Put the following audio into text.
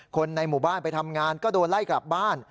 คนในหมู่บ้านไปทำงานก็โดนไล่กลับบ้าน